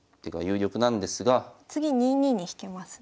次２二に引けますね。